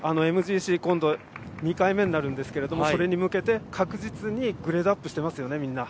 ＭＧＣ、今度２回目になるんですけれどもそれに向けて、確実にグレードアップしていますね。